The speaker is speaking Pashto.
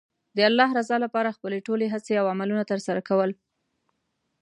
د الله رضا لپاره خپلې ټولې هڅې او عملونه ترسره کول.